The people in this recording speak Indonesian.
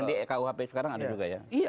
ada ya yang di